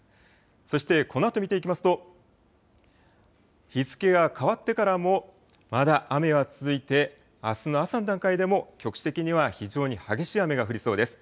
そして、このあと見ていきますと、日付が変わってからも、まだ雨は続いて、あすの朝の段階でも、局地的には非常に激しい雨が降りそうです。